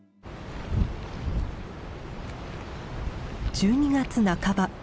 １２月半ば。